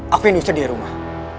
aku yang diusir di rumah